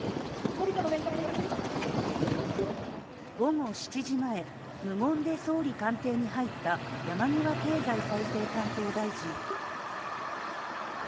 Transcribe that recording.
午後７時前、無言で総理官邸に入った山際経済再生担当大臣。